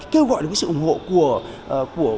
kêu gọi được sự ủng hộ của